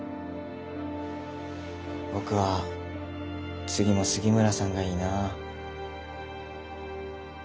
僕は次も杉村さんがいいなあ。